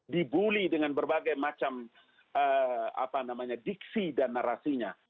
dibully dengan berbagai macam diksi dan narasinya